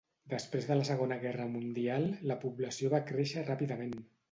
Després de la Segona Guerra Mundial, la població va créixer ràpidament.